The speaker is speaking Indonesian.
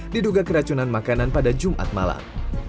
diduga keracunan makanan pada jumat malam